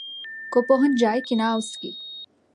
کو پہنچ جائے کہ نہ اس کی